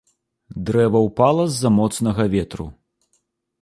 Дрэва ўпала з-за моцнага ветру.